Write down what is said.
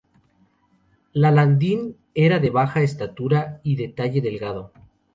La Landín era de baja estatura y de talle delgado.